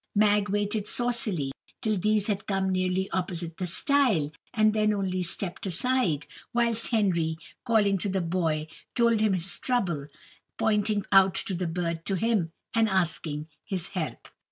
Mag waited saucily till these had come nearly opposite the stile, and then only stepped aside; whilst Henry, calling to the boy, told him his trouble, pointing out the bird to him, and asking his help.